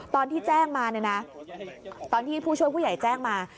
ตอนที่แจ้งมาเนี่ยนะตอนที่ผู้ช่วยผู้ใหญ่แจ้งมา